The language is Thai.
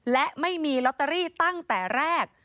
และไม่มีลอตเตอรี่ตั้งแต่แรก